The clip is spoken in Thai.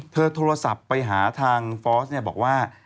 โทรศัพท์ไปหาทางฟอสเนี่ยบอกว่า